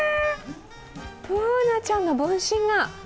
Ｂｏｏｎａちゃんの分身が！